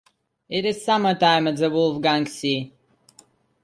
It is summertime at the Wolfgangsee.